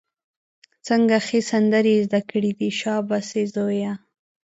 څنګه ښې سندرې یې زده کړې دي، شابسي زویه!